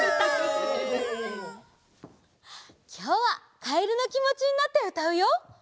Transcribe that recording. きょうはカエルのきもちになってうたうよ。